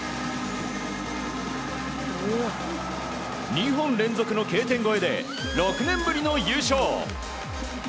２本連続のＫ点越えで６年ぶりの優勝！